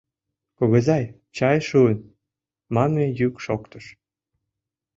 — Кугызай, чай шуын, — манме йӱк шоктыш.